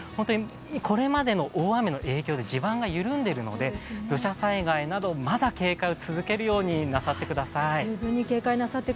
これまでの大雨の影響で地盤が緩んでいるので土砂災害などまだ警戒を続けるようになさってください。